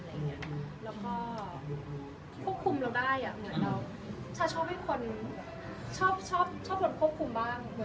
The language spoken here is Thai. แล้วก็ควบคุมเราได้ฉันชอบให้คนควบคุมบ้าง